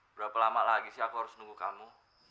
berapa lama lagi sih aku harus nunggu kamu